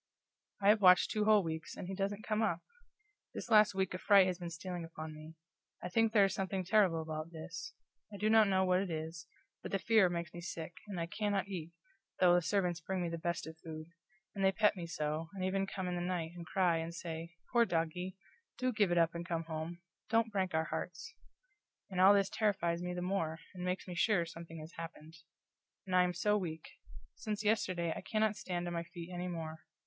I have watched two whole weeks, and he doesn't come up! This last week a fright has been stealing upon me. I think there is something terrible about this. I do not know what it is, but the fear makes me sick, and I cannot eat, though the servants bring me the best of food; and they pet me so, and even come in the night, and cry, and say, "Poor doggie do give it up and come home; don't break our hearts!" and all this terrifies me the more, and makes me sure something has happened. And I am so weak; since yesterday I cannot stand on my feet anymore.